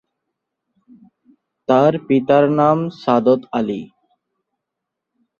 তার পিতার নাম সাদত আলী।